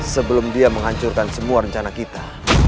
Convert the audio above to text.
sebelum dia menghancurkan semua rencana kita